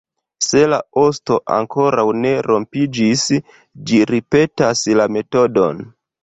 Se la osto ankoraŭ ne rompiĝis, ĝi ripetas la metodon.